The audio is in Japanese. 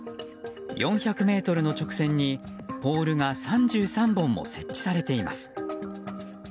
４００ｍの直線にポールが３３本も設定されています。